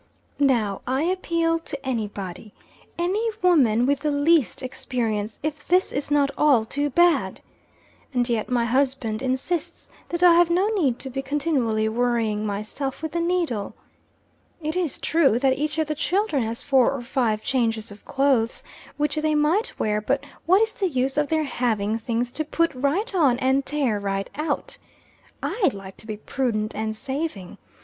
Now I appeal to any body any woman with the least experience, if this is not all too bad! And yet my husband insists that I have no need to be continually worrying myself with the needle. It is true that each of the children has four or five changes of clothes, which they might wear but what is the use of their having things to "put right on and tear right out!" I like to be prudent and saving.